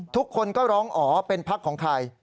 ทุกคนก็ร้องอ๋อเป็นพักของใคร